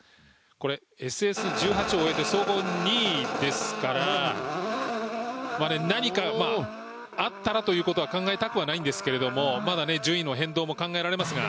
これ、ＳＳ１８を終えて総合２位ですから何かあったらということは考えたくはないんですがまだ順位の変動も考えられますが。